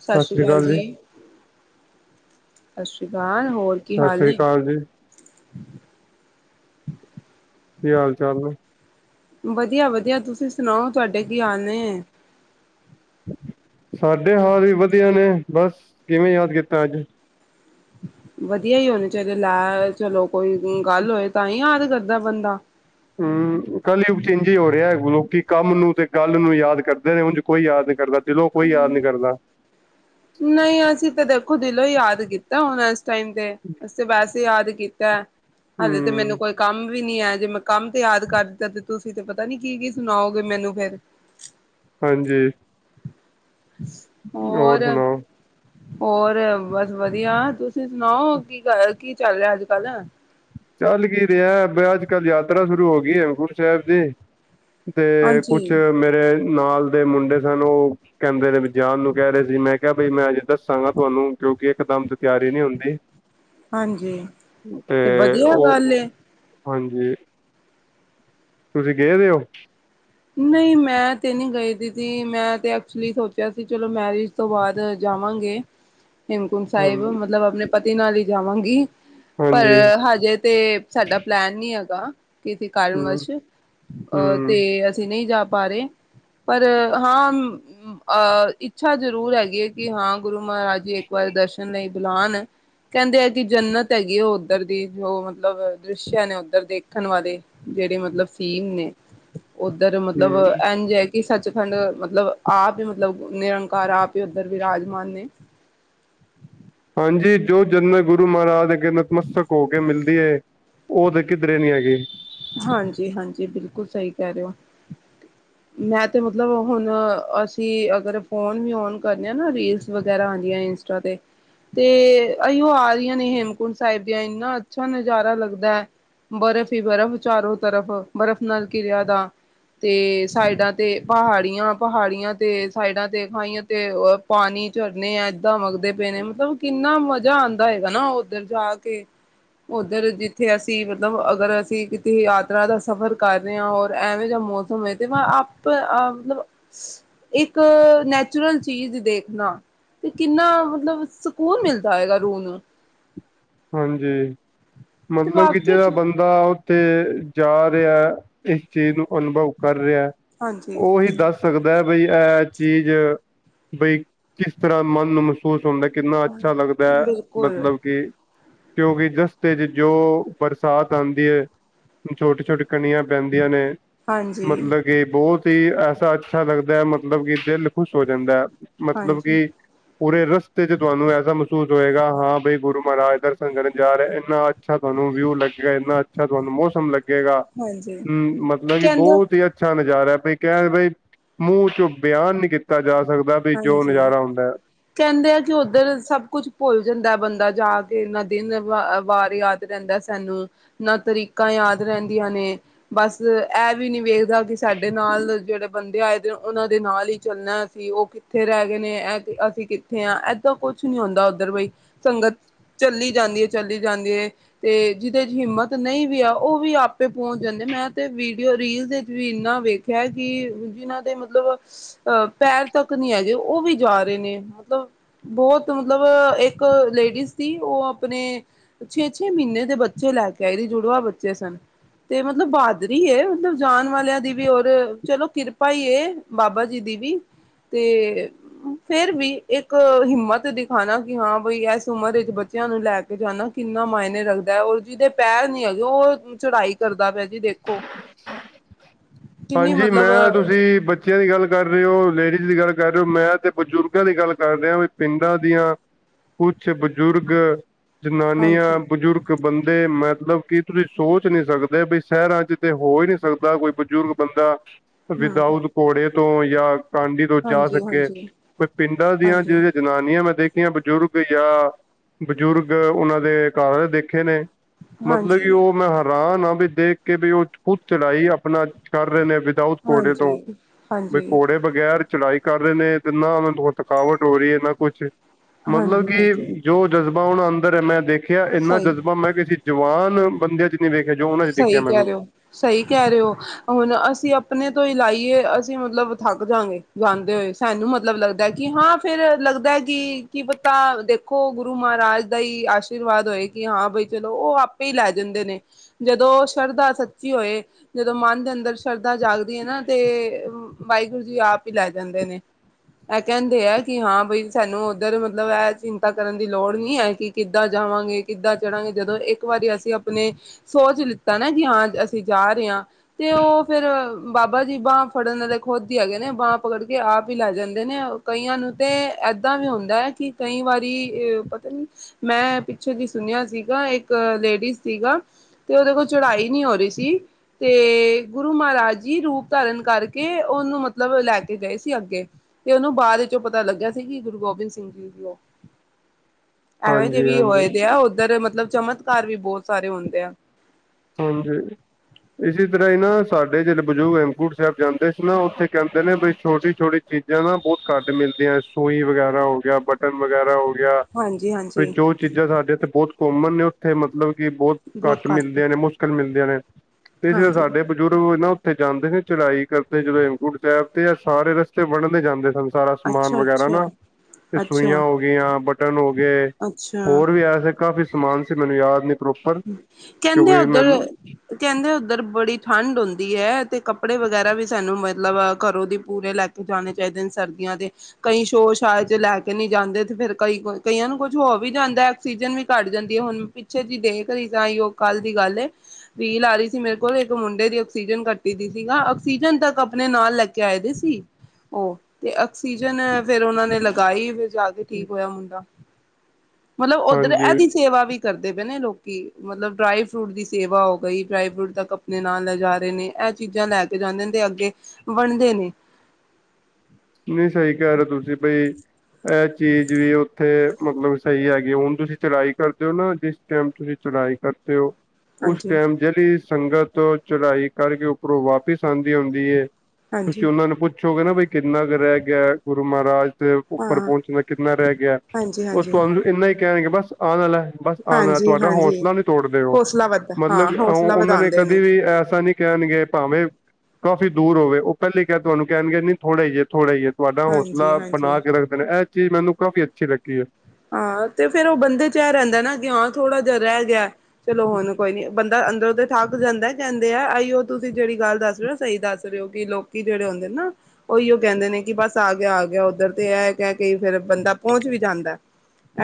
ਸਤਿ ਸ੍ਰੀ ਅਕਾਲ ਜੀ। ਸਤਿ ਸ਼੍ਰੀ ਅਕਾਲ ਹੋਰ ਕੀ ਸਤਿ ਹਾਲ ਸ੍ਰੀ ਨੇ? ਅਕਾਲ ਜੀ, ਕੀ ਹਾਲ-ਚਾਲ ਨੇ? ਵਦੀਆ, ਵਦੀਆ, ਤੁਸੀ ਸੁਨਾਓ, ਤੁਆਡੇ ਕੀ ਹਾਲ ਨੇ? ਸਾਡੇ ਹਾਲ ਵੀ ਵਦੀਆ ਨੇ, ਬਾੱਸ ਕਿਵੇਂ ਯਾਦ ਕੀਤਾ, ਅੱਜ? ਵਧੀਆ ਹੀ ਉਹਨੇ ਚਾਹੀਦੇਲੈ ਚਲੋ ਕੋਈ ਗੱਲ ਹੋਏ ਤਾਂ ਹੀ ਯਾਦ ਕਰਦਾ ਬੰਦਾ। [inaudible] ਕੱਲਯੁਗ ਚ ਇਂਜੇ ਈ ਹੋਰੇਐ, ਲੋਕੀ ਕੰਮ ਨੂੰ, ਤੇ ਗੱਲ ਨੂੰ ਯਾਦ ਕਰਦੇ ਨੇ, ਓਂਜ ਕੋਈ ਯਾਦ ਨੀ ਕਰਦਾ। ਦਿਲੋਂ ਕੋਈ ਯਾਦ ਨਹੀਂ ਕਰਦਾ। ਨਹੀਂ ਅਸੀਂ ਤਾਂ ਦੇਖੋ ਦਿਲੋਂ ਹੀ ਯਾਦ ਕੀਤਾ ਹੁਣ। ਟਾਈਮ ਤੇ ਅਸੀਂ ਵੈਸੇ ਯਾਦ ਕੀਤਾ ਹਾਲੇ ਤੇ ਮੈਨੂੰ ਹੂੰ, ਕੋਈ ਕੰਮ ਵੀ ਨੀ ਹੈ ਜੇ ਮੈਂ ਕੰਮ ਤੇ ਯਾਦ ਕਰ ਦਿੱਤੈ, ਤੇ ਤੁਸੀ ਤੇ ਪਤਾ ਨੀ ਕੀ-ਕੀ ਸੁਨਾਓਗੇ ਮੈਨੂੰ ਫੇਰ। ਹਾਂਜੀ। ਹੋਰ, ਹੋਰ ਬਸ ਵਧੀਆ। ਤੁਸੀ ਸੁਨਾਓ, ਕੀ ਕਰ, ਕੀ ਚੱਲ ਰੇਆ ਅੱਜ ਕੱਲ? ਚੱਲ ਕੀ ਰੇਆ, ਬਏ ਅੱਜ-ਕੱਲ ਯਾਤਰਾ ਸ਼ੁਰੂ ਹੋਗੀ ਏ ਹੇਮਕੁੰਟ ਸੈਬ ਦੀ। ਤੇ ਕੁੱਛ ਹਾਂਜੀ-ਹਾਂਜੀ ਮੇਰੇ ਨਾਲ ਦੇ ਮੁੰਡੇ ਸਨ, ਓ ਕਹਿੰਦੇ ਨੇ ਵੀ ਜਾਨ ਨੂੰ ਕਹਿ ਰਹੇ ਸੀ, ਮੈਂ ਕਿਹਾ ਬਈ ਮੈਂ ਅਜੇ ਦੱਸਾਂਗਾ ਤੁਹਾਨੂੰ, ਕਿਉਂਕਿ ਇੱਕ ਦਮ ਤੇ ਤਿਆਰੀ ਨਹੀਂ ਹੁੰਦੀ। ਹਾਂਜੀ, ਤੇ ਵਧੀਆ ਗੱਲ ਏ। ਹਾਂਜੀ। ਤੁਸੀਂ ਗਏ ਦੇ ਓ? ਨਈ ਮੈਂ ਤੇ ਨਈ ਗਈ ਦੀ ਤੀ, ਮੈਂ ਤੇ ਐਕਚੁਲੀ ਸੋਚਿਆ ਸੀ ਚਲੋ ਮੈਰਿਜ ਤੋਂ ਬਾਅਦ ਜਾਵਾਂਗੇ। [inaudible] ਹੇਮਕੁੰਟ ਸਾਹਿਬ, ਹਾਂਜੀ ਮਤਲਬ ਆਪਣੇ ਪਤੀ ਨਾਲ ਈ ਜਾਵਾਂਗੀ, ਪਰ ਹਾਂਜੀ ਹਜੇ ਤੇ ਸਾਡਾ ਪਲੈਨ ਨੀ ਹੈਗਾ, ਕਿਸੀੇ ਹਮ ਕਾਰਨਵਸ਼ ਅ ਹਮ ਤੇ ਤੇ ਨਈ ਜਾ ਪਾ ਰੇ, ਪਰ ਹਾਂ, ਹੂ ਅ ਇੱਛਾ ਜ਼ਰੂਰ ਹੈਗੀ ਏ, ਕਿ ਹਾਂ ਗੁਰੂ ਮਹਾਰਾਜ ਜੀ ਏਕ ਵਾਰ ਦਰਸ਼ਨ ਲਈ ਬੁਲਾਨ। ਕਹਿੰਦੇ ਹੈ ਕਿ ਜੰਨਤ ਹੈਗੀ ਉਹ ਉੱਧਰ ਦੀ, ਜੋ ਮਤਲਬ ਦ੍ਰਿਸ਼ਿਆ ਨੇ ਉੱਧਰ, ਦੇਖਣ ਵਾਲੇ। ਜਿਹੜੇ ਮਤਲਬ ਸੀਨ ਨੇ, ਉੱਧਰ ਮਤਲਬ ਹਮ ਏਂਜ ਕਿ ਸੱਚਖੰਡ ਅ ਮਤਲਬ ਆਪ ਈ ਮਤਲਬ ਨਿਰੰਕਾਰ ਆਪ ਈ ਉੱਧਰ ਬਿਰਾਜਮਾਨ ਨੇ। ਹਾਂਜੀ, ਜੋ ਜਨਤ ਗੁਰੂ ਮਹਾਰਾਜ ਦੇ ਅੱਗੇ ਨਤਮਸਤਕ ਹੋ ਕੇ ਮਿਲ ਦੀ ਏ, ਉਹ ਤੇ ਕਿੱਧਰੇ ਨੀ ਹੈਗੀ। ਹਾਂਜੀ-ਹਾਂਜੀ, ਬਿਲਕੁਲ ਸਈ ਕਹਿ ਰਹੇ ਓ। ਮੈਂ ਤੇ ਮਤਲਬ, ਹੁਣ ਅਸੀਂ ਅਗਰ ਫੋਨ ਵੀ ਔਨ ਕਰਨੇ ਆ ਨਾ, ਰੀਲਸ ਵਗੈਰਾ ਆਉਂਦੀਆਂ ਇੰਸ ਟਾ ਤੇ ਤੇ ਐਈਓ ਆ ਰਹੀਆਂ ਨੇ ਹੇਮਕੁੰਟ ਸਾਹਿਬ ਦੀਆਂ, ਇੰਨਾ ਅੱਛਾ ਨਜ਼ਾਰਾ ਲੱਗਦਾ ਏ। ਬਰਫ਼ ਈ ਬਰਫ਼ ਚਾਰੋਂ ਤਰਫ਼, ਬਰਫ਼ ਨਾਲ ਕਿਰਿਆ ਦਾ। ਤੇ ਸਾਈਡਾਂ ਤੇ ਪਹਾੜੀਆਂ-ਪਹਾੜੀਆਂ ਤੇ ਸਾਈਡਾਂ ਤੇ ਖਾਈਆਂ ਤੇ ਅ ਪਾਨੀ, ਝਰਨੇ ਐਦਾਂ ਵਗਦੇ ਪਏ ਨੇ, ਮਤਲਬ ਕਿੰਨਾ ਮਜ਼ਾ ਆਂਦਾ ਹੋਏਗਾ ਨਾ, ਓਧਰ ਜਾ ਕੇ। ਉੱਧਰ ਜਿੱਥੇ ਅਸੀ, ਮਤਲਬ ਅਗਰ ਅਸੀ ਤੇ ਯਾਤਰਾ ਦਾ ਸਫ਼ਰ ਕੱਰ ਰੇਆ ਆ, ਔਰ ਐਵੇਂ ਜਯਾ ਮੌਸਮ ਹੋਏ, ਤੇ ਮ ਆੱਪ ਆਪ ਮਤਲਬ ਇੱਕ ਨੈਚੁਰਲ ਚੀਜ਼ ਦੇਖਣਾ। ਤੇ ਕਿੰਨਾ ਮਤਲਬ, ਸਕੂਨ ਮਿਲਦਾ ਹੋਏਗਾ ਰੂਹ ਨੂੰ? ਹਾਂਜੀ, ਤੇ ਮਤਲਬ ਕਿ ਵਾਕਿਆ ਜਿਹੜਾ ਚ ਬੰਦਾ ਉੱਥੇ ਜਾ ਰਿਆ ਇਸ ਚੀਜ਼ ਨੂੰ ਅਨੁਭਵ ਕਰ ਰੇਆ, ਹਾਂਜੀ ਉਹੀ ਦੱਸ ਸਕਦਾ ਏ, ਬਈ ਐ ਚੀਜ਼, ਬਈ ਕਿਸ ਤਰਾ ਮੰਨ ਨੂੰ ਮਹਿਸੂਸ ਹੁੰਦਾ, ਕਿੰਨਾ ਅੱਛਾ ਲੱਗਦਾ ਏ, ਬਿਲਕੁਲ ਮਤਲਬ ਕਿ ਕਿਉਂਕਿ ਰਸਤੇ ਚ ਜੋ ਬਰਸਾਤ ਆਉਂਦੀ ਏ, ਛੋਟੀ-ਛੋਟੀ ਕਣੀਆਂ ਪੈਂਦੀਆਂ ਨੇ, ਹਾਂਜੀ ਮਤਲਗ ਕੇ ਬਹੋਤ ਹੀ ਐਸਾ ਅੱਛਾ ਲੱਗਦਾ ਹੈ, ਮਤਲਬ ਕਿ ਦਿਲ ਖੁਸ਼ ਹੋ ਜਾਂਦਾ। ਮਤਲਬ ਹਾਂਜੀ ਕਿ ਪੂਰੇ ਰਸਤੇ ਚ ਤੁਆਨੂੰ ਐਸਾ ਮਹਿਸੂਸ ਹੋਏਗਾ, ਹਾਂ ਬਈ ਗੁਰੂ ਮਹਾਰਾਜ ਦਰ ਸ਼ਨ ਕਰਨ ਜਾ ਰੇਆ, ਏਨਾ ਅਜ ਅੱਛਾ ਤੁਆਨੂੰ ਵਿਊ ਲੱਗੇਗਾ, ਇੰਨਾ ਅੱਛਾ ਤੁਆਨੂੰ ਮੌਸਮ ਲੱਗੇਗਾ, ਹਾਂਜੀ ਹੂੰ ਮਤਲਬ ਕਿ ਕਹਿੰਦਾ ਬਹੋਤ ਹੀ ਅੱਛਾ ਨਜ਼ਾਰਾ ਏ, ਬੀ ਕਹਿ ਬਈ, ਮੂੰਹ ਚੋਂ ਬਿਆਨ ਨਹੀਂ ਕੀਤਾ ਜਾ ਸਕਦਾ। ਵੀ ਜੋ ਹਾਂਜੀ। ਨਜ਼ਾਰਾ ਹੁੰਦਾ ਹੈ ਕਹਿੰਦੇ ਐ ਕਿ ਉੱਧਰ ਸਭ ਕੁਛ ਭੁੱਲ ਜਾਂਦਾ ਏ ਬੰਦਾ ਜਾ ਕੇ, ਨਾ ਦਿਨ ਵਾ ਵਾਰ ਯਾਦ ਰੇਂਦਾ ਸਾਨੂੰ, ਨਾ ਤਰੀਕਾਂ ਯਾਦ ਰੈਂਦੀਆਂ ਨੇ। ਬਸ ਇਹ ਵੀ ਨਹੀਂ ਵੇਖਦਾ, ਕਿ ਸਾਡੇ ਨਾਲ ਜਿਹੜੇ ਬੰਦੇ ਆਏ ਦੇ, ਉਹਨਾਂ ਦੇ ਨਾਲ ਈ ਚੱਲਣਾ ਏ ਅਸੀ, ਉਹ ਕਿੱਥੇ ਰਹਿ ਗਏ ਨੇ, ਇਹ ਅਸੀਂ ਕਿੱਥੇ ਆ? ਏਦਾਂ ਕੁਛ ਨੀ ਹੁੰਦਾ ਉੱਧਰ ਬਈ, ਸੰਗਤ ਚੱਲੀ ਜਾਂਦੀ ਏ, ਚੱਲੀ ਜਾਂਦੀ ਏ। ਤੇ ਜਿਹਦੇ ਚ ਹਿੰਮਤ ਨਈ ਵੀ ਆ, ਉਹ ਵੀ ਆਪੇ ਪਹੁੰਚ ਜਾਂਦੇ, ਮੈਂ ਤੇ ਵੀਡੀਓ ਰੀਲਜ਼ ਇੱਚ ਵੀ ਇਨਾ ਵੇਖ ਕਿਹਾ ਕਿ ਜਿਹਨਾਂ ਦੇ ਮਤਲਬ ਸੀ ਅਹ ਪੈਰ ਤੱਕ [unintelligible] ਨੀ ਹੈਜੇ ਓਵੀ ਜਾ ਰੇ ਨੇ, ਮਤਲਬ ਬਹੁਤ ਮਤਲਬ ਇੱਕ ਲੇਡੀਜ਼ ਸੀ ਔਹ ਆਪਣੇ ਛੇ- ਛੇ ਮਹੀਨੇ ਦੇ ਬੱਚੇ ਲੈ ਕੇ ਆਏ ਸੀ। ਜੁੜਵਾ ਬੱਚੇ ਸਨ। ਤੇ ਮਤਲਬ, ਬਾਦਰੀ ਏ, ਮਤਲਬ ਜਾਨ ਵਾਲਿਆਂ ਦੀ ਵੀ, ਔਰ ਚਲੋ ਕਿਰਪਾ ਈ ਏ। ਬਾਬਾ ਜੀ ਦੀ ਵੀ ਤੇ ਫੇਰ ਵੀ ਇੱਕ ਹਿੰਮਤ ਦਿਖਾਣਾ ਕਿ ਹਾਂ ਬਈ, ਇਸ ਉਮਰ ਵਿੱਚ ਬੱਚਿਆਂ ਨੂੰ ਲੈ ਕੇ ਜਾਨਾ ਕਿੰਨਾ ਮਾਏਨੇ ਰੱਖਦੈ, ਔਰ ਜਿਦੇ ਪੈਰ ਨੀ ਹੈਗੇ, ਓ ਚੜਾਈ ਕਰਦਾ ਪਿਆ ਜੀ ਦੇਖੋ। [inaudible] ਕਿੰਨੀ ਹਾਂਜੀ ਮਤਲਬ ਮੈਂ ਤੁਸੀਂ ਬਚ ਬੱਚਿਆਂ ਦੀ ਗੱਲ ਕਰ ਰਹੇ ਹੋ, ਲੇਡੀਜ਼ ਦੀ ਗੱਲ ਕਰ ਰਹੇ ਹੋ, ਮੈਂ ਤੇ ਬਜ਼ੁਰਗਾਂ ਦੀ ਗੱਲ ਕਰ ਰਿਹਾ। ਵੀ ਪਿੰਡਾਂ ਦੀਆਂ ਕੁਛ ਬਜ਼ੁਰਗ ਹਾਂਜੀ ਜਨਾਨੀਆਂ ਬਜ਼ੁਰਗ ਕ ਬੰਦੇ ਮੈਤਲਬ ਕਿ ਤੁਸੀ ਸੋਚ ਨੀ ਸਕਦੇ ਬਈ ਸੈਰਾਂ ਚ ਤੇ ਹੋ ਈ ਨੀ ਸਕਦਾ ਕੋਈ ਬਜ਼ੁਰਗ ਬੰਦਾ ਹਮ ਵਿਦਊਟ ਘੋੜੇ ਤੋਂ ਜਾਂ ਕਾਂਡੀ ਤੋ ਜਾ ਹਾਂਜੀ ਸਕੇ, ਹਾਂਜੀ ਬਏ ਪਿੰਡਾਂ ਦੀਆਂ ਹਾਂਜੀ ਜੇੜੀ ਜਨਾਨੀਆਂ ਮੈਂ ਦੇਖ ਬਜ਼ੁਰਗ ਜਾਂ ਬਜ਼ੁਰਗ ਉਹਨਾਂ ਦੇ ਘਰ ਦੇਖੇ ਨੇ। ਮਤਲਬ ਕਿ ਹਾਂਜੀ ਔਹ ਮੈਂ ਹੈਰਾਨ ਹਾਂ ਵੀ ਦੇਖ ਕੇ ਵੀ ਔਹ ਖੁਦ ਚੜਾਈ ਆਪਣਾ ਕਰ ਰਹੇ ਨੇ। ਦਾਊਦ ਘੜੇ ਤੋਂ ਹਾਂਜੀ ਵੀ ਹਾਂਜੀ ਘੜੇ ਬਗੈਰ ਚਲਾਈ ਕੱਰ ਰੇ ਨੇ, ਤੇ ਨਾ ਓਨਾਂ ਨੂੰ ਥਕਾਵਟ ਹੋ ਰਿਐ, ਨਾ ਕੁਛ। ਮਤਲਬ ਹਾਂਜੀ ਕਿ ਹਾਂਜੀ ਜੋ ਜਜ਼ਬਾ ਔਣਾ ਅੰਦਰ ਹੈ। ਮੈਂ ਦੇਖਿਆ ਇੰਨਾ ਸਹੀ ਜਜ਼ਬਾ ਮੈਂ ਕਿਹਾ ਅਸੀਂ ਜਵਾਨ ਬੰਦਿਆਂ 'ਚ ਨਹੀਂ ਵੇਖਿਆ ਜੋ ਉਹਨਾਂ ਚ ਦਿਖਿਆ ਸਹੀ ਕੈ ਮੈਨੂੰ ਰਹੇ ਔ, ਸਈ ਕੈ ਰੇ ਔ, ਹਹ ਹੁਨ ਅਸੀ ਅਪਨੇ ਤੋ ਈ ਲਾਈਏ, ਅਸੀ ਮਤਲਬ ਥੱਕ ਜਾਂਗੇ, ਜਾਂਦੇ ਹੋਏ। ਸਾਨੂੰ ਮਤਲਬ ਲੱਗਦਾ ਕਿ ਹਾਂ ਫੇਰ ਲੱਗਦਾ ਕਿ ਕੀ ਪਤਾ ਦੇਖੋ ਗੁਰੂ ਮਹਾਰਾਜ ਦਾ ਹੀ ਆਸ਼ ਆਸ਼ੀਰਵਾਦ ਹੋਏ ਕਿ ਹਾਂ ਬਈ ਚਲੋ, ਔ ਆਪੇ ਈ ਲੈ ਜਾਂਦੇ ਨੇ। ਜਦੋਂ ਸ਼ਰਧਾ ਸੱਚੀ ਹੋਏ। ਜਦੋਂ ਮਨ ਦੇ ਅੰਦਰ ਸ਼ਰਧਾ ਜਾਗਦੀ ਹੈ ਨਾ ਤੇ ਵਾਹਿਗੁਰੂ ਜੀ ਆਪ ਹੀ ਲੈ ਜਾਂਦੇ ਨੇ। ਇਹ ਕਹਿੰਦੇ ਹੈ ਕਿ ਹਾਂ ਬਈ ਸਾਨੂੰ ਉੱਧਰ ਮਤਲਬ ਇਹ ਚਿੰਤਾ ਕਰਨ ਦੀ ਲੋੜ ਨੀ ਹੈਗੀ। ਕਿੱਦਾ ਜਾਵਾਂਗੇ, ਕਿੱਦਾ ਚੜਾਂਗੇ, ਜਦੋ ਏਕ ਵਾਰੀ ਅਸੀ ਅਪਨੇ ਸੋਚ ਲਿੱਤਾ ਨਾ ਜੀ ਹਾਂ ਅਸੀਂ ਜਾ ਰਹੇ ਆਂ। ਤੇ ਉਹ ਫੇਰ ਬਾਬਾ ਜੀ ਬਾਂਹ ਫੜਨ ਵਾਲੇ ਤੇ ਖੁਦ ਹੀ ਹੈਗੇ ਨੇ ਬਾਂਹ ਪਕੜ ਕੇ ਆਪ ਹੀ ਲੈ ਜਾਂਦੇ ਨੇ। ਕਈਆਂ ਨੂੰ ਤੇ ਏਦਾਂ ਵੀ ਹੁੰਦਾ ਹੈ ਕਿ ਕਈ ਵਾਰੀ ਅ ਪਤਾ ਨੀ ਮੈਂ ਪਿੱਛੋਂ ਜੀ ਸੁਣਿਆ ਸੀਗਾ ਇੱਕ ਲੇਡੀਜ਼ ਸੀਗਾ। ਤੇ ਔਹਦੇ ਕੋਲ ਚੜ੍ਹਾਈ ਨਹੀਂ ਹੋ ਰਹੀ ਸੀ। ਤੇ ਗੁਰੂ ਮਹਾਰਾਜ ਜੀ ਰੂਪ ਧਾਰਨ ਕਾਰਕੇ, ਔਨੂੰ ਮਤਲਬ ਲੈਕੇ ਗਏ ਸੀ ਅੱਗੇ ਤੇ ਔਨੂੰ ਬਾਅਦ ਵਿੱਚੋਂ ਪਤਾ ਲੱਗਿਆ ਸੀ ਕਿ ਗੁਰੂ ਗੋਬਿੰਦ ਸਿੰਘ ਜੀ ਹੀ ਹਨ ਐਵੇ ਦੇ ਹਾਂਜੀ ਵੀ ਹਾਂਜੀ ਹੋਏ ਦੇ ਆ ਔਧਰ ਮਤਲਬ ਚਮਤਕਾਰ ਵੀ ਬਹੁਤ ਸਾਰੇ ਹੁੰਦੇ ਆ। ਹਾਂਜੀ। ਇਸੀ ਤਰ੍ਹਾਂ ਈ ਨਾ, ਸਾਡੇ ਜੇਹੜੇ ਬਜ਼ੁਰਗ ਹੇਮਕੂੰਟ ਸਾਹਿਬ ਜਾਂਦੇ ਸੀ ਨਾ, ਔਥੇ ਕਹਿੰਦੇ ਨੇ ਬੀ ਛੋਟੀ ਛੋਟੀ ਚੀਜ਼ ਜਾਂ ਨਾ ਬੋਤ ਘੱਟ ਮਿਲਦੀਆਂ। ਸੂਈ ਵਗੈਰਾ ਹੋ ਗਿਆ, ਬਟਨ ਵਗੈਰਾ ਹੋ ਗਿਆ। ਹਾਂਜੀ ਵੀ -ਹਾਂਜੀ। ਜੋ ਚੀਜ਼ਾਂ ਸਾਡੇ ਏਥੇ ਬੋਤ ਕੋਮਨ ਨੇ, ਔਥੇ ਮਤਲਬ ਕਿ ਬੋਤ ਘੱਟ ਮਿਲ ਮੁਸ਼ਕਿਲ ਮਿਲਦੀਆਂ ਨੇ ਤੇ, ਜੇੜੇ ਹਾਂਜੀ ਸਾਡੇ ਬ ਬਜੂਰਗ ਔ ਨਾ ਔਥੇ ਜਾਂਦੇ ਨੇ ਚੜ੍ਹਾਈ ਕਰਦੇ ਜਦੋਂ ਹੇਮਕੁੰਟ ਸਾਹਿਬ ਤੇ ਐ ਸਾਰੇ ਰਸਤੇ ਵੰਡਦੇ ਜਾਂਦੇ ਸਨ। ਸਾਰਾ ਸਮਾਨ ਅੱਛਾ ਵਗੈਰਾ ਨਾ ਅੱਛਾ ਤੇ ਸੂਈਆਂ ਅੱਛਾ ਹੋ ਗੇਆਂ ਬਟਨ ਹੋ ਗਏ। ਅੱਛਾ ਹੋਰ ਵੀ ਐਸੇ ਕਾਫ਼ੀ ਸਮਾਨ ਸੀ ਮੈਨੂੰ ਯਾਦ ਨੀ ਪ੍ਰੋਪਰ। ਕਹਿੰਦੇ ਕਿਉਂਕਿ ਔਧਰ ਮੈਨੂੰ ਕਹਿੰਦੇ ਔਧਰ ਬੜੀ ਠੰਢ ਹੁੰਂਦੀ ਐ ਤੇ ਕੱਪੜੇ ਵਗੈਰਾ ਵੀ ਸਾਨੂੰ ਮਤਲਬ ਘਰੋ ਦੀ ਪੂਰੇ ਲੈ ਕੇ ਜਾਣੇ ਚਾਹੀਦੇ ਨੇ ਸਰਦੀਆਂ ਦੇ। ਕਈ ਸ਼ੋਰ ਸ਼ਾਇਰ ਚ ਲੈ ਕੇ ਨਹੀਂ ਜਾਂਦੇ ਤੇ ਫਰ ਕਈ ਕਈਆਂ ਨੂੰ ਕੁੱਛ ਹੋ ਵੀ ਜਾਂਦਾ ਸੀਜਨ ਵੀ ਘੱਟ ਜਾਂਦੀ ਹੈ ਹੁਣ ਪਿੱਛੇ ਜੀ ਦੇਖ ਰਹੀ ਤਾਂ ਅਹਿੳ ਕੱਲ ਦੀ ਗੱਲ ਏ ਰੀਲ ਆ ਰਹੀ ਸੀ ਮੇਰੇ ਕੋਲ ਇੱਕ ਮੁੰਡੇ ਦੀ, ਆਕਸੀਜਨ ਕੱਟੀ ਦੀ ਸੀਗਾ ਆਕਸੀਜਨ ਤੱਕ ਆਪਣੇ ਨਾਲ ਲੈ ਕੇ ਆਏ ਦੀ ਸੀ ਓ, ਤੇ ਆਕਸੀਜਨ ਫੇਰ ਓਨਾਂ ਨੇ ਲਗਾਈ ਫਿਰ ਜਾ ਕੇ ਠੀਕ ਹੋਇਆ ਮੁੰਡਾ। ਮਤਲਬ ਔਧਰ ਹਾਂਜੀ ਐਦੀ ਸੇਵਾ ਵੀ ਕਰਦੇ ਪਏ ਨੇ ਲੋਕੀ। ਕਿ ਮਤਲਬ ਡਰਾਈ ਫਰੂਟ ਦੀ ਸੇਵਾ ਹੋ ਗਈ। ਡਰਾਈ ਫਰੂਟ ਤੱਕ ਅਪਣੇ ਨਾਲ ਲੈ ਜਾ ਰਹੇ ਨੇ। ਐ ਚੀਜ਼ਾਂ ਲੈ ਜਾਂਦੇ ਨੇ ਤੇ ਅੱਗੇ ਵੰਡਦੇ ਨੇ। ਨਈ ਸਹੀ ਕਹਿ ਰਹੇ ਓ ਤੁਸੀ ਬਈ, ਐ ਚੀਜ਼ ਵੀ ਓ ਓਥੇ ਮਤਲਬ ਸਹੀ ਹੈਗੀ। ਹੁਣ ਤੁਸੀ ਚੜਾਈ ਕਰਦੇ ਓ ਨਾ ਜਿਸ ਟਾਈਮ ਤੁਸੀ ਚੜਾਈ ਕਰਦੇ ਓ। ਉਸ ਹਾਂਜੀ ਟਾਈਮ ਜੇੜੀ ਸੰਗਤ ਚੜਾਈ ਕਰਕੇ ਉੱਪਰੋਂ ਵਾਪਿਸ ਆਂਦੀ ਹੁੰਦੀ ਏ ਤੁਸੀ ਹਾਂਜੀ ਓਹਨਾ ਨੂੰ ਪੁੱਛੋਗੇ ਨਾ ਬੀ ਕਿੰਨਾ ਕੁ ਰਹਿ ਗਿਆ ਐ ਗੁਰੂ ਮਹਾਰਾਜ ਦੇ ਉੱਪਰ ਹਾਂ ਪਹੁੰਚਣਾ ਕਿੰਨਾ ਰਹਿ ਗਿਆ ਐ? ਹਾਂਜੀ ਓ ਹਾਂਜੀ ਸੁ ਨੂੰ ਇੰਨਾ ਈ ਕਹਿਣਗੇ ਬਸ ਆਣ ਵਾਲਾ ਐ ਬਸ। ਆਨਾ। ਹਾਂਜੀ ਤੁਹਾਡਾ ਹਾਂਜੀ ਹੌਸਲਾ ਨੀ ਤੋੜਦੇ ਓ। ਹੌਸਲਾ ਵੱਧ ਹਾਂ ਮਤਲਬ ਓ ਹੌਸਲਾ ਓਨਾਂ ਨੇ ਵਧਾਉਂਦੇ ਕਦੀ ਵੀ ਐਸਾ ਨੀ ਕਹਿਣਗੇ ਭਾਵੇਂ, ਕਾਫੀ ਦੂਰ ਹੋਵੇ ਉਹ ਪਹਿਲੇ ਕ ਤੁਹਾਨੂੰ ਕਹਿਣਗੇ ਨੀ ਥੋੜਾ ਜੇ ਥੋੜਾ ਜਿ ਤੁਹਾਡਾ ਹਾਂਜੀ ਹੌਸਲਾ ਬਣਾ ਹਾਂਜੀ ਕੇ ਰੱਖਦੇ ਨੇ, ਇਹ ਚੀਜ਼ ਮੈਨੂੰ ਕਾਫ਼ੀ ਅੱਛੀ ਲੱਗੀ ਹੈ ਹਾਂ ਤੇ ਫੇਰ ਉਹ ਬੰਦੇ 'ਚ ਰਹਿੰਦਾ ਨਾ ਕਿ ਹਾਂ ਥੋੜਾ ਜਿਹਾ ਰਹਿ ਗਿਆ ਚਲੋ ਹੁਣ ਕੋਈ ਨੀ ਬੰਦਾ ਅੰਦਰੋਂ ਤੇ ਥੱਕ ਜਾਂਦਾ ਕਹਦੇ ਆ ਆਈਓ ਤੁਸੀਂ ਜਿਹੜੀ ਗੱਲ ਦੱਸ ਰਹੇ ਹੋ ਸਹੀ ਦੱਸ ਕਿ ਲੋਕੀ ਜਿਹੜੇ ਹੁੰਦੇ ਨਾ ਉਹੀਓ ਕਹਿੰਦੇ ਨੇ, ਕਿ ਬਸ ਆ ਗਿਆ ਆ ਗਿਆ ਉੱਧਰ ਤੇ ਇਹ ਕਹਿ ਕੇ ਫੇਰ ਬੰਦਾ ਪਹੁੰਚ ਵੀ ਜਾਂਦਾ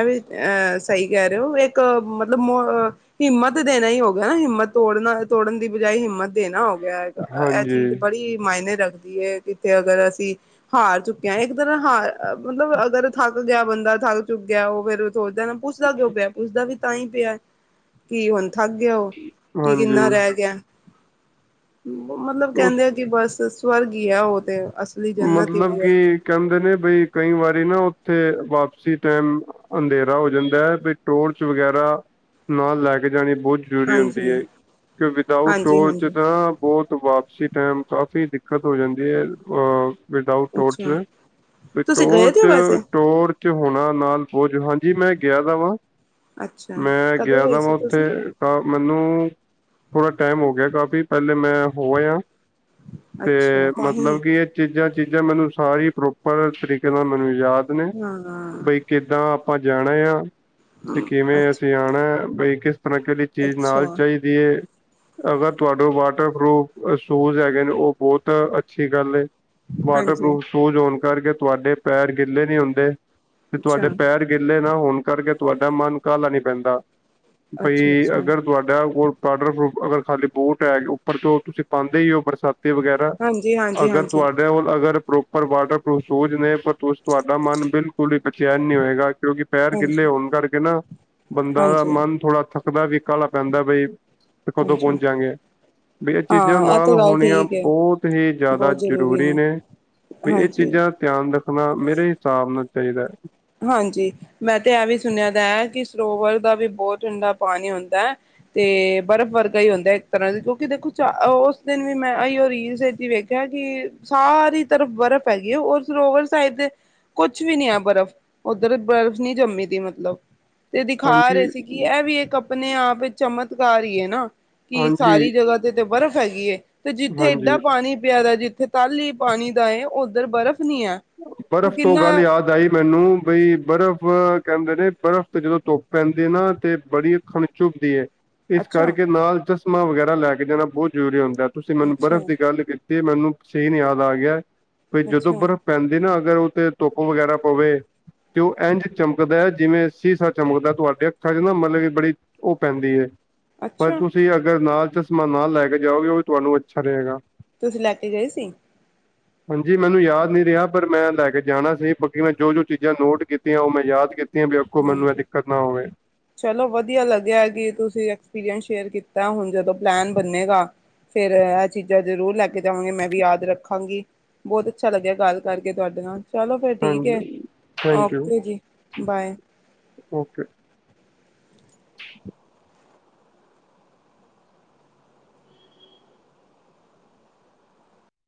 ਅ ਵੀ ਅਹ ਸਹੀ ਕਹਿ ਰਹੇ ਹੋ ਇੱਕ ਮਤਲਬ [unintelligible] ਹਿੰਮਤ ਦੇਣਾ ਹੀ ਹੋ ਗਿਆ, ਨਾ ਹਿੰਮਤ ਤੋੜਨਾ ਤੋੜਨ ਦੀ ਬਜਾਏ ਹਿੰਮਤ ਦੇਣਾ ਹੋਵੇ। [unintelligible] ਇਹ ਹਾਂਜੀ ਚੀਜ਼ ਬੜੀ ਮਾਇਨੇ ਰੱਖਦੀ ਏ ਕਿੱਥੇ ਅਗਰ ਅਸੀਂ ਹਾਰ ਚੁੱਕੇ ਆ ਹਾਂ ਇੱਕ ਤਰ੍ਹਾਂ ਹਾਰ ਮਤਲਬ ਅਗਰ ਥੱਕ ਗਿਆ ਬੰਦਾ ਥੱਕ ਚੁੱਗਿਆ ਉਹ ਫੇਰ ਸੋਚਦਾ ਨਾ ਪੁੱਛਦਾ ਕਿਉਂ ਪਿਆ, ਪੁੱਛਦਾ ਵੀ ਤਾਂ ਹੀ ਪਿਆ ਕੀ ਹੁੰਦਾ ਥੱਕ ਗਿਆ ਹੋ, ਕਿ ਕਿੰਨਾ ਹਾਂਜੀ ਰਹਿ ਗਿਆ ਮਤਲਬ ਉਹ ਕਹਿੰਦੇ ਆ ਕਿ ਬਸ ਸਵਰਗ ਹੀ ਹੈ ਉਹ ਤੇ, ਅ [unintelligible] ਮਤਲਬ ਕਿ ਕਹਿੰਦੇ ਨੇ ਬਈ ਕਈ ਵਾਰੀ ਨਾ ਉੱਥੇ ਵਾਪਸੀ ਟਾਈਮ ਅੰਧੇਰਾ ਹੋ ਜਾਂਦਾ ਹੈ ਵੀ ਟੋਰਚ ਵਗੈਰਾ ਨਾਲ ਲੈ ਕੇ ਜਾਣੀ ਬਹੁਤ ਜ਼ਰੂਰੀ ਹੁੰਦੀ ਹਾਂਜੀ ਹੈ ਕਿ ਵਿਦਊਟ ਹਾਂਜੀ ਟੋਰਚ ਹਾਂਜੀ ਤਾਂ ਬਹੁਤ ਵਾਪਸੀ ਟਾਈਮ ਕਾਫੀ ਦਿੱਕਤ ਹੋ ਜਾਂਦੀ ਹੈ ਵਿਦਊਟ ਟੋਰਚ ਅੱਛਾ ਤੇ ਤੁਸੀਂ ਗਏ ਤੇ ਟੋਰਚ ਹੋ ਵੈਸੇ ਟੋਰਚ ਹੋਣਾ ਨਾਲ ਬੋਝ ਹਾਂਜੀ ਮੈਂ ਗਿਆ ਦਾ ਵਾਂ ਅੱਛਾ ਮੈਂ ਕਦੋਂ ਗਿਆ ਗਏ ਦਾ ਵਾ ਸੀ ਉੱਥੇ ਤੁਸੀਂ ਤਾਂ ਮੈਨੂੰ ਥੋੜ੍ਹਾ ਟਾਈਮ ਹੋ ਗਿਆ ਕਾਫੀ ਪਹਿਲੇ ਮੈਂ ਹੋ ਆਇਆ। ਤੇ ਅੱਛਾ ਤਾਂਹੀ ਮਤਲਬ ਕਿ ਚੀਜ਼ਾਂ ਚੀਜ਼ਾਂ ਮੈਨੂੰ ਸਾਰੀ ਪ੍ਰੋਪਰ ਤਰੀਕੇ ਨਾਲ ਮੈਨੂੰ ਯਾਦ ਨੇ ਹਾਂ ਬਈ ਕਿੱਦਾਂ ਆਪਾਂ ਜਾਣਾ ਆ ਤੇ ਹਾਂ, ਕਿਵੇਂ ਅੱਛ ਅਸੀਂ ਆਉਣਾ ਬਈ ਕਿਸ ਤਰ੍ਹਾਂ ਚੀਜ਼ ਅੱਛਾ ਨਾਲ ਚਾਹੀਦੀ ਦੀ ਅਗਰ ਤੁਹਾਡੇ ਵਾਟਰਪ੍ਰੂਫ਼ ਸ਼ੂਜ਼ ਹੈਗੇ ਨੇ ਉਹ ਬਹੁਤ ਅੱਛੀ ਗੱਲ, ਹਾਂਜੀ ਵਾਟਰਪ੍ਰੂਫ਼ ਸ਼ੂਜ਼ ਹੋਣ ਕਰਕੇ ਤੁਹਾਡੇ ਪੈਰ ਗਿੱਲੇ ਨਹੀਂ ਹੁੰਦੇ। ਤੇ ਤੁਹਾਡੇ ਅੱਛਾ ਪੈਰ ਗਿੱਲੇ ਨਾ ਹੋਣ ਕਰਕੇ ਤੁਹਾਡਾ ਮਨ ਕਾਹਲਾ ਨਹੀਂ ਪੈਂਦਾ। ਬਈ ਅੱਛਾ ਅੱਛਾ ਅਗਰ ਤੁਹਾਡਾ ਕੋ ਵਾਟਰਪ੍ਰੂਫ਼ ਅਗਰ ਖਾਲੀ ਬੂਟ ਹੈ ਉਪਰ ਤੋਂ ਤੁਸੀਂ ਪਾਉਂਦੇ ਹੀ ਹੋ ਬਰਸਾਤੀ ਵਗੈਰਾ ਹਾਂਜੀ ਹਾਂ ਅਗਰ ਤੁਹਾਡੇ ਕੋਲ ਅਗਰ ਪ੍ਰੋ ਪਰ ਵਾਟਰਪ੍ਰੂਫ਼ ਸ਼ੂਜ਼ ਨੇ ਪਰ ਤੁਂ ਤੁਹਾਡਾ ਮਨ ਬਿਲਕੁਲ ਹੀ ਬਚੈਨ ਨਹੀਂ ਹੋਏਗਾ ਕਿਉਂਕਿ ਪੈਰ ਗਿੱਲੇ ਹਾਂਜੀ ਹੋਣ ਕਰਕੇ ਨਾ, ਬੰਦਾ ਦਾ ਹਾਂਜੀ ਮਨ ਥੋੜ੍ਹਾ ਥੱਕਦਾ ਵੀ ਕਾਹਲਾ ਪੈਂਦਾ ਬਈ ਕਦੋਂ ਹਾਂਜੀ ਪਹੁੰਚਾਂਗੇ, ਵੀ ਇਹ ਚੀਜ਼ਾਂ ਹਾਂ ਇਹ ਨਾਲ ਤਾਂ ਗੱਲ ਹੋਣੀਆਂ ਠੀਕ ਹੈ ਬਹੁਤ ਹੀ ਜ਼ਿਆਦਾ ਜ਼ਰੂਰੀ ਨੇ ਵੀ ਇਹ ਹਾਂਜੀ ਚੀਜ਼ਾਂ ਦਾ ਧਿਆਨ ਰੱਖਣਾ ਮੇਰੇ ਹਿਸਾਬ ਨਾਲ ਚਾਹੀਦਾ ਹਾਂਜੀ ਮੈਂ ਤੇ ਐ ਵੀ ਸੁਣਿਆ ਦਾ ਐ ਕੀ ਸਰੋਵਰ ਦਾ ਵੀ ਬੋਤ ਠੰਡਾ ਪਾਣੀ ਹੁੰਦਾ। ਤੇ ਬਰਫ਼ ਵਰਗਾ ਈ ਹੁੰਦਾ ਐ ਇੱਕ ਤਰ੍ਹਾਂ ਦੀ ਕਿਉਂਕਿ ਦੇਖੋ ਉਚਾ ਓਸ ਦਿਨ ਵੀ ਮੈਂ ਆਈਓ ਰੀਲਸ ਕਿਆ ਕੀ ਸਾਰੀ ਤਰਫ਼ ਬਰਫ਼ ਹੈਗੀ ਐ। ਓ ਸਰੋਵਰ ਸਾਈਡ ਦੇ ਕੁਛ ਵੀ ਨੀ ਐ ਬਰਫ਼। ਓਧਰ ਬਰਫ਼ ਨਈ ਜੰਮੀ ਦੀ ਮਤਲਬ। ਤੇ ਦਿਖਾ ਹਾਂਜੀ ਰੇ ਸੀ ਕਿ ਐ ਵੀ ਇਕ ਆਪਣੇ ਆਪ ਚਮਤਕਾਰ ਹੀ ਹੈ ਨਾ ਕਿ ਹਾਂਜੀ ਸਾਰੀ ਜਗ੍ਹਾ ਤੇ ਤੇ ਬਰਫ਼ ਹੈਗੀਏ ਤੇ ਜਿੱਥੇ ਏਡਾ ਹਾਂਜੀ ਪਾਣੀ ਪਿਆਦਾ ਜਿੱਥੇ ਤਲ ਹੀ ਪਾਣੀ ਦਾ ਏ ਉਓਧਰ ਬਰਫ਼ ਨੀ ਹੈ ਬਰਫ਼ ਤੋਂ ਕਿੰਨਾ ਗੱਲ ਯਾਦ ਆਈ ਮੈਨੂੰ ਬਈ ਬਰਫ਼ ਕਹਿੰਦੇ ਨੇ ਬਰਫ਼ ਤੇ ਜਦੋਂ ਧੁੱਪ ਪੈਂਦੀ ਨਾ ਤੇ ਬੜੀ ਅੱਖਾਂ ਚੁਭਦੀ ਹੈ। ਇਸ ਅੱਛਾ ਕਰਕੇ ਨਾਲ ਚਸ਼ਮਾਂ ਵਗੈਰਾ ਲੈ ਕੇ ਜਾਣਾ ਬਹੁਤ ਜ਼ਰੂਰੀ ਹੁੰਦਾ ਤੁਸੀਂ ਮੈਨੂੰ ਅੱਛਾ, ਬਰਫ਼ ਦੀ ਗੱਲ ਕੀ ਤੇ ਮੈਨੂੰ ਸੀਨ ਯਾਦ ਆ ਗਿਆ ਵੀ ਜਦੋਂ ਅੱਛਾ, ਬਰਫ਼ ਪੈਂਦੀ ਨਾ ਅਗਰ ਉਥੇ ਧੁੱਪ ਵਗੈਰਾ ਪਵੇ ਅਤੇ ਉਹ ਇੰਝ ਚਮਕਦਾ ਹੈ ਜਿਵੇਂ ਸ਼ੀਸਾ ਚਮਕਦਾ ਤੁਹਾਡੇ ਅੱਖਾਂ 'ਚ ਨਾ ਮਤਲਬ ਕਿ ਬੜੀ ਉਹ ਪੈਂਦੀ ਐ। ਪਰ ਅੱਛਾ ਤੁਸੀਂ ਅਗਰ ਨਾਲ ਚਸ਼ਮਾ ਨਾਲ ਲੈ ਕੇ ਜਾਓਗੇ ਉਹ ਵੀ ਤੁਹਾਨੂੰ ਅੱਛਾ ਰਹੇਗਾ। ਤੁਸੀਂ ਲੈ ਕੇ ਗਏ ਸੀ। ਹਾਂਜੀ ਮੈਨੂੰ ਯਾਦ ਨਹੀਂ ਗਿਆ। ਪਰ ਮੈਂ ਲੈ ਕੇ ਜਾਣਾ ਸੀ ਬਾਕੀ ਮੈਂ ਜੋ ਦੋ ਚੀਜ਼ਾਂ ਨੋਟ ਕੀਤੀਆਂ ਓ ਮੈਂ ਯਾਦ ਕੀਤੀਆਂ ਵੀ ਆਖੋ ਮੈਨੂੰ ਐ ਹਾਂਜੀ। ਦਿੱਕਤ ਨਾ ਓਵੇਂ ਚਲੋ ਵਧੀਆ ਲੱਗਿਆ ਕਿ ਤੁਸੀਂ ਐਕਸਪੀਰੀਅੰਸ ਸ਼ੇਅਰ ਕੀਤਾ। ਹੁਣ ਜਦੋਂ ਪਲੈਨ ਬੰਨੇਗਾ। ਫੇਰ ਐ ਚੀਜ਼ਾਂ ਜ਼ਰੂਰ ਲੈ ਕੇ ਜਾਵਾਂਗੇ। ਮੈਂ ਵੀ ਯਾਦ ਰੱਖਾਂਗੀ। ਬੋਤ ਅੱਛਾ ਲੱਗਿਆ ਗੱਲ ਕਰਕੇ ਤੁਆਡੇ ਨਾਲ। ਚਲੋ ਫੇਰ ਠੀਕ ਏ। ਹਾਂਜੀ ਥੈਂਕ ਯੂ ਓਕੇ ਜੀ ਬਾਏ। ਓਕੇ।